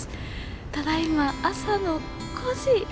ただいま、朝の５時。